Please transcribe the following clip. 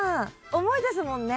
重いですもんね。